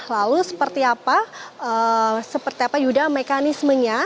lalu seperti apa yuda mekanismenya